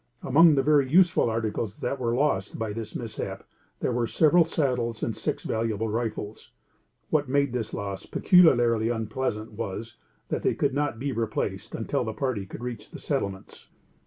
Among the very useful articles that were lost by this mishap there were several saddles and six valuable rifles. What made this loss peculiarly unpleasant was, that they could not be replaced until the party could reach the settlements.